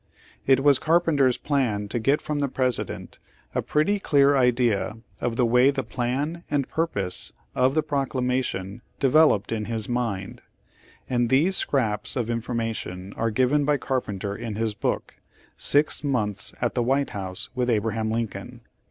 It was Carpenter's plan to get from the President a pretty clear idea of the way the plan and purpose of the proclama tion developed in his mind, and these scraps of inform, ation are given by Carpenter in his book, "Six Months at the White House with Abraham Lincoln."